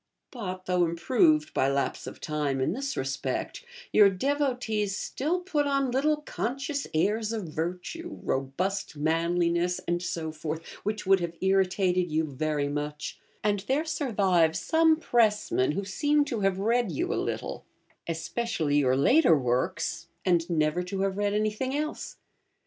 But, though improved by lapse of time in this respect, your devotees still put on little conscious airs of virtue, robust manliness, and so forth, which would have irritated you very much, and there survive some press men who seem to have read you a little (especially your later works), and never to have read anything else.